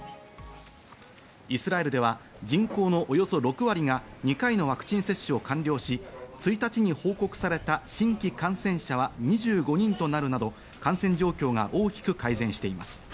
イスラエルでは人口のおよそ６割が２回のワクチン接種を完了し、１日に報告された新規感染者は２５人となるなど、感染状況が大きく改善しています。